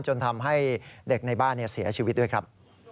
จนทำให้เด็กในบ้านเสียชีวิตด้วยครับ